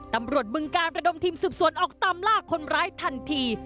ตำรวจบึงกากระดมทีมสึบสวนออกตามลากคนร้ายทันที